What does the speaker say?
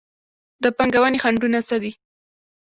د پانګونې خنډونه څه دي؟